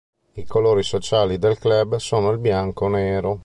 I colori sociali del club sono il bianco-nero.